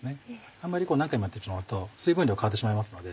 あんまり何回もやってしまうと水分量変わってしまいますので。